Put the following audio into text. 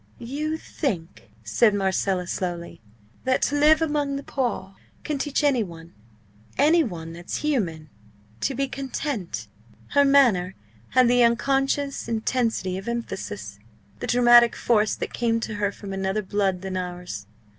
"You think," said Marcella, slowly, "that to live among the poor can teach any one any one that's human to be content!" Her manner had the unconscious intensity of emphasis, the dramatic force that came to her from another blood than ours.